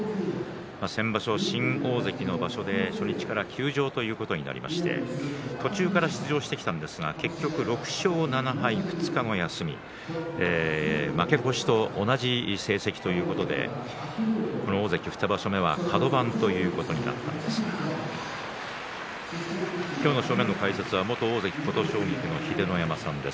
先場所、新大関の場所で初日から休場ということになりまして途中から出場してきたんですが結局６勝７敗、２日の休み負け越しと同じ成績ということでこの大関２場所目はカド番ということになったんですが今日の正面の解説は元大関琴奨菊の秀ノ山さんです。